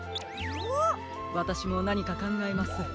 わたしもなにかかんがえます。